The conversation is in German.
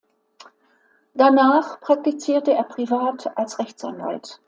Danach praktizierte er privat als Rechtsanwalt.